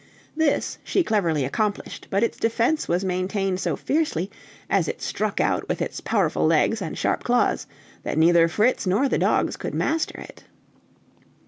This she cleverly accomplished, but its defense was maintained so fiercely, as it struck out with its powerful legs and sharp claws, that neither Fritz nor the dogs could master it.